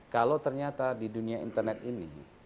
kalau ternyata di dunia internet ini